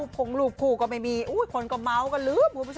เพราะไม่ค่อยมีโมงเกาะกูกู